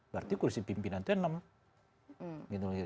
berarti kursi pimpinan itu enam